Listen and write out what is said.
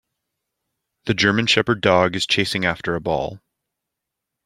The German shepherd dog is chasing after a ball.